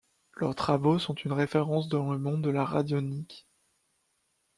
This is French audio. Leurs travaux sont une référence dans le monde de la radionique.